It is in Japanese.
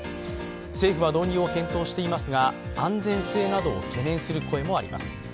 政府は導入を検討していますが安全性などを懸念する声もあります。